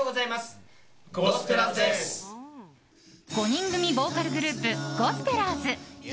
５人組ボーカルグループゴスペラーズ。